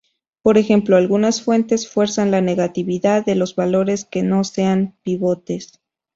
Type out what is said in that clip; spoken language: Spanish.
Por ejemplo, algunas fuentes fuerzan la negatividad de los valores que no sean pivotes.